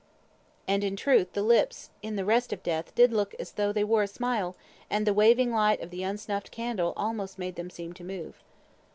And, in truth, the lips, in the rest of death, did look as though they wore a smile, and the waving light of the unsnuffed candle almost made them seem to move.